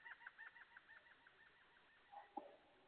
ফরিদা কথা ঘোরাবার জন্যে বললেন, কিছু খাবি ফিরোজ?